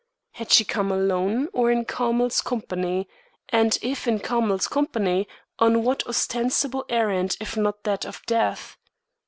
Had she come alone or in Carmel's company, and if in Carmel's company, on what ostensible errand if not that of death?